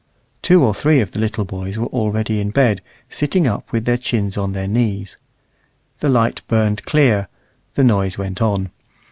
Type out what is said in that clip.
Two or three of the little boys were already in bed, sitting up with their chins on their knees. The light burned clear, the noise went on.